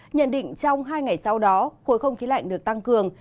nhận định trong hai ngày sau đó khối không khí lạnh được tăng cường